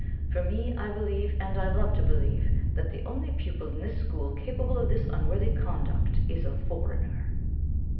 For me, I believe, and I love to believe, that the only pupil in this school capable of this unworthy conduct is a foreigner.'